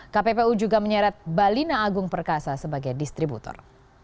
kppu juga menyeret balina agung perkasa sebagai distributor